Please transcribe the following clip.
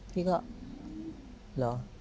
พี่ก็เหรอ